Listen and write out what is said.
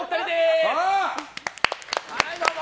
はいどうも！